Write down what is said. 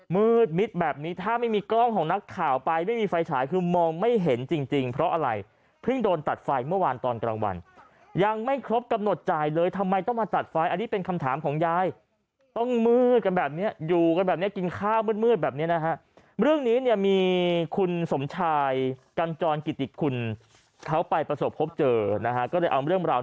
มืดมิดแบบนี้ถ้าไม่มีกล้องของนักข่าวไปไม่มีไฟฉายคือมองไม่เห็นจริงจริงเพราะอะไรเพิ่งโดนตัดไฟเมื่อวานตอนกลางวันยังไม่ครบกำหนดจ่ายเลยทำไมต้องมาตัดไฟอันนี้เป็นคำถามของยายต้องมืดกันแบบนี้อยู่กันแบบนี้กินข้าวมืดมืดแบบนี้นะฮะเรื่องนี้เนี่ยมีคุณสมชายกัญจรกิติคุณเขาไปประสบพบเจอนะฮะก็เลยเอาเรื่องราว